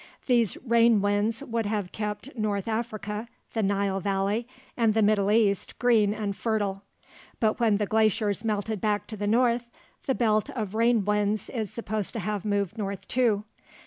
These rain winds would have kept north Africa, the Nile Valley, and the Middle East green and fertile. But when the glaciers melted back to the north, the belt of rain winds is supposed to have moved north too.